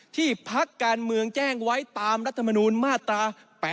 พักการเมืองแจ้งไว้ตามรัฐมนูลมาตรา๘๘